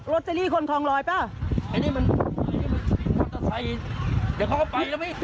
ลอสเตอรี่คนคองลอยเปล่าไอ้นี่มันมันจะใช้เดี๋ยวเขาก็ไปแล้วพี่